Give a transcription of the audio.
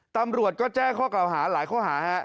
ตำรวจก็แจ้เก่าหาหลายห่า